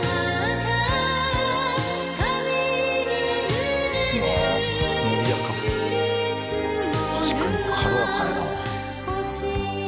「確かに軽やかやな」